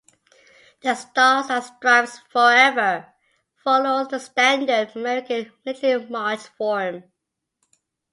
"The Stars and Stripes Forever" follows the standard American military march form.